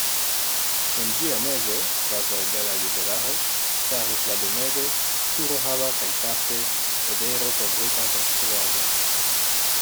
En ĝia mezo, kvazaŭ bela juvelaro, staris la domego, turohava kaj parte hederokovrita konstruaĵo.